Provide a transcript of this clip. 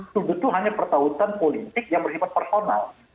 sebetulnya hanya pertautan politik yang bersifat personal